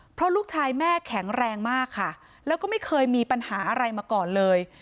เพราะลูกชายแม่แข็งแรงมากค่ะแล้วก็ไม่เคยมีปัญหาอะไรมาก่อนเลย